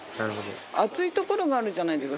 厚いところがあるじゃないですか。